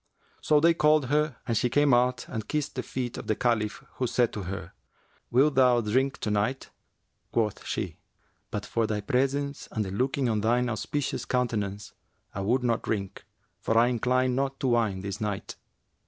So they called her and she came out and kissed the feet of the Caliph, who said to her, 'Wilt thou drink to night?' Quoth she, 'But for thy presence and the looking on thine auspicious countenance, I would not drink, for I incline not to wine this night.'